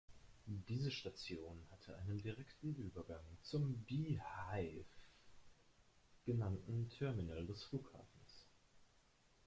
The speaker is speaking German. Diese Station hatte einen direkten Übergang zum "Beehive" genannten Terminal des Flughafens.